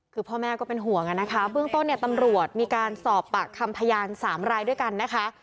คือพ่อแม่ก็เป็นห่วงนะคะเบื้องต้นเนี่ยตำรวจมีการสอบปากคำพยาน๓รายด้วยกันนะคะ